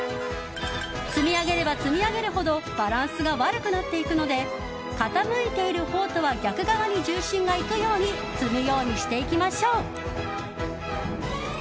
積み上げれば積み上げるほどバランスが悪くなっていくので傾いているほうとは逆側に重心がいくように積むようにしていきましょう。